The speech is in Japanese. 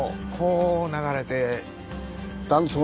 こう流れて。